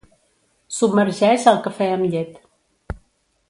Submergeix al cafè amb llet.